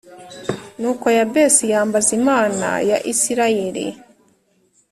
Nuko Yabesi yambaza Imana ya Isirayeli